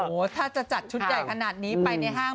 โอ้โหถ้าจะจัดชุดใหญ่ขนาดนี้ไปในห้าง